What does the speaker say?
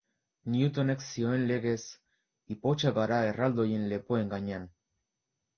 Newtonek zioen legez, ipotxak gara erraldoien lepoen gainean.